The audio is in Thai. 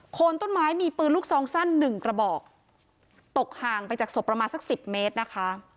โคนต้นไม้มีปืนลูกซองสั้นหนึ่งกระบอกตกห่างไปจากศพประมาณสักสิบเมตรนะคะ